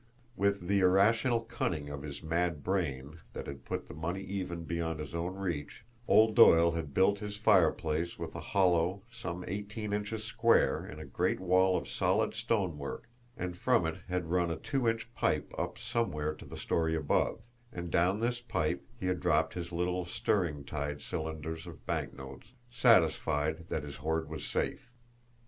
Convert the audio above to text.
With the irrational cunning of his mad brain, that had put the money even beyond his own reach, old Doyle had built his fireplace with a hollow some eighteen inches square in a great wall of solid stonework, and from it had run a two inch pipe up somewhere to the story above; and down this pipe he had dropped his little string tied cylinders of banknotes, satisfied that his hoard was safe!